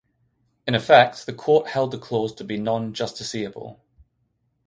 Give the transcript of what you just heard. In effect, the court held the clause to be non-justiciable.